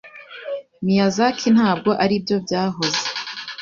Miyazaki ntabwo aribyo byahoze.